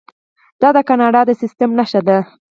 دا د کاناډا د سیستم نښه ده.